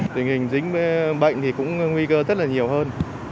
tình hình dính bệnh thì cũng nguy cơ rất là nhiều hơn